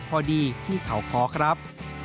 พอดีที่เขาคอครับ